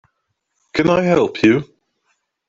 Can I help you?